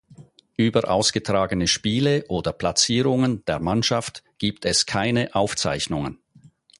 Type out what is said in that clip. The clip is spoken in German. Über ausgetragene Spiele oder Platzierungen der Mannschaft gibt es keine Aufzeichnungen.